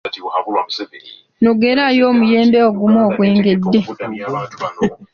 Nogerayo omuyembe ogumu ogwengedde.